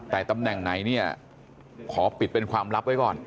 แต่ตำแหน่งไหนเนี่ยขอปิดเป็นความลับไว้ก่อน